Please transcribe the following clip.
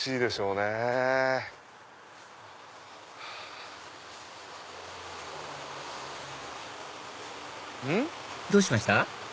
うん？どうしました？